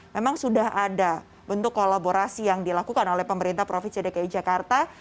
memang sudah ada bentuk kolaborasi yang dilakukan oleh pemerintah provinsi dki jakarta